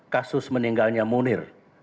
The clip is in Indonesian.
kasus meninggalnya munir